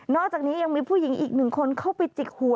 อกจากนี้ยังมีผู้หญิงอีกหนึ่งคนเข้าไปจิกหัว